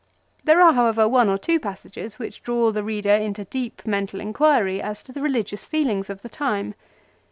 There are, however, one or two passages which draw the reader into deep mental inquiry as to the religious feelings of the time.